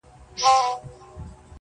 • وځان ته بله زنده گي پيدا كړه.